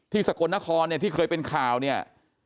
สกลนครเนี่ยที่เคยเป็นข่าวเนี่ย